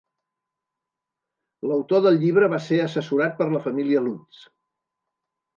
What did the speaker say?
L'autor del llibre va ser assessorat per la família Lutz.